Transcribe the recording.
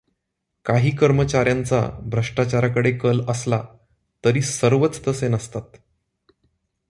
काही कर्मचार्यांचा भ्रष्टाचाराकडे कल असला तरी सर्वच तसे नसतात.